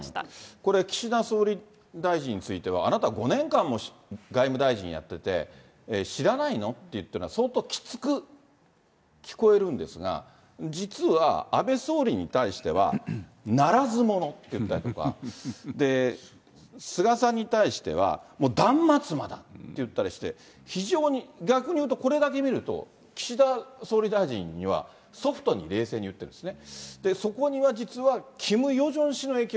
これ、岸田総理大臣については、あなた５年間も外務大臣やってて、知らないの？っていうのは、相当きつく聞こえるんですが、実は安倍総理に対しては、ならず者って言ったりとか、菅さんに対しては、断末魔だって言ったりして、非常に、逆に言うと、これだけ見ると、岸田総理大臣にはソフトに冷静に言ってるんですね。